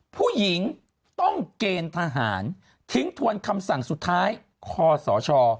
ผู้หญิงต้องเกณฑ์ทหารทิ้งทวนคำสั่งสุดท้ายคอสช